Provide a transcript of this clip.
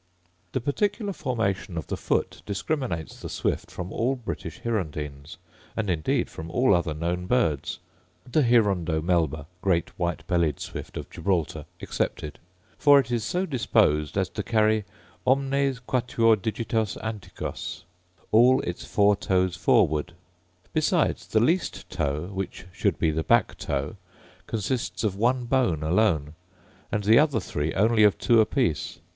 The particular formation of the foot discriminates the swift from all British hirundines; and indeed from all other known birds, the hirundo melba, great white bellied swift of Gibraltar, excepted; for it is so disposed as to carry 'omnes quatuor digitos anticos' all its four toes forward; besides, the least toe, which should be the back toe, consists of one bone alone, and the other three only of two apiece.